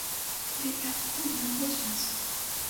Ды і адкуль ён возьмецца?!